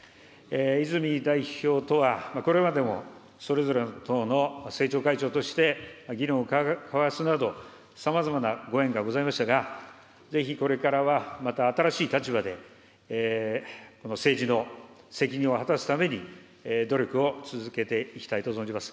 泉代表とは、これまでもそれぞれの党の政調会長として議論を交わすなど、さまざまなご縁がございましたが、ぜひこれからはまた新しい立場で、この政治の責任を果たすために、努力を続けていきたいと存じます。